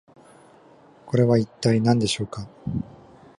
これは一体何でしょうか？